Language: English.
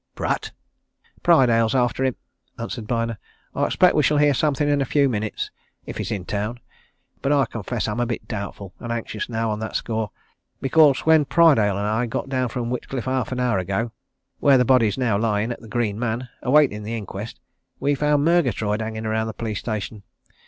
"Pratt?" "Prydale's after him," answered Byner. "I expect we shall hear something in a few minutes if he's in town. But I confess I'm a bit doubtful and anxious now, on that score. Because, when Prydale and I got down from Whitcliffe half an hour ago where the body's now lying, at the Green Man, awaiting the inquest we found Murgatroyd hanging about the police station.